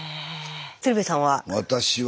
鶴瓶さんは？